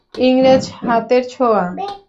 ইংরেজ হাতের ছোঁয়া!